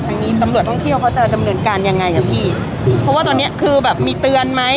นี้ตำรวจท่องเที่ยวเขาจะดำเนินการยังไงครับพี่เพราะว่าตอนเนี้ยคือแบบมีเตือนไหม